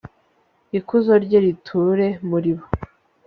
ikuzo rye riture muri bo